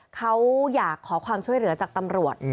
เขาอยากขอความช่วยเหลือจากตำรวจ